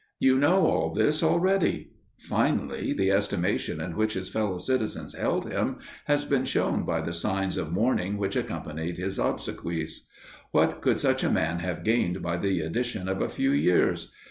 You know all this already. Finally, the estimation in which his fellow citizens held him has been shown by the signs of mourning which accompanied his obsequies. What could such a man have gained by the addition of a few years?